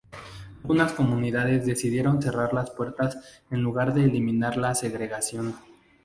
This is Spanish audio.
Algunas comunidades decidieron cerrar sus puertas en lugar de eliminar la segregación.